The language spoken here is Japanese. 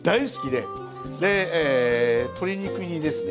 で鶏肉にですね